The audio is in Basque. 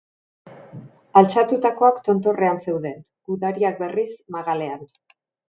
Altxatutakoak tontorrean zeuden, gudariak, berriz, magalean.